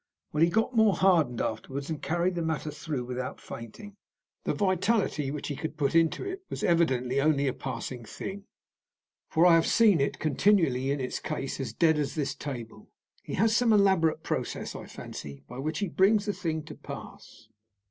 Well, he got more hardened afterwards, and carried the matter through without fainting. The vitality which he could put into it was evidently only a passing thing, for I have seen it continually in its case as dead as this table. He has some elaborate process, I fancy, by which he brings the thing to pass.